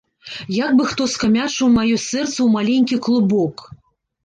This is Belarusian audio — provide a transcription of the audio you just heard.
Як бы хто скамячыў маё сэрца ў маленькі клубок.